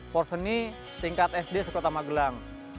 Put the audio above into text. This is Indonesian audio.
porseni tingkat sd sekolah tamagelang